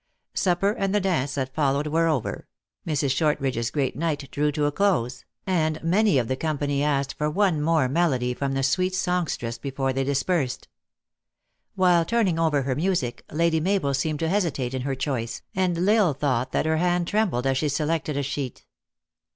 Supper and the dance that followed were over ; Mrs. Shortridge s great night drew to a close ; and many of the company asked for one more melody from the sweet songstress before they dispersed. While turn ing over her music, Lady Mabel seemed to hesitate in her choice, and L Isle thought that her hand trembled as she selected a sheet.